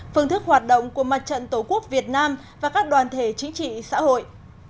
phương thức hoạt động của mặt trận tổ quốc việt nam và các đoàn thể chính trị xã hội